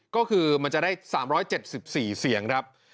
ก็คือมันจะได้๓๗๔เสียงครับ